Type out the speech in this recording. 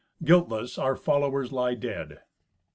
Guiltless, our followers lie dead."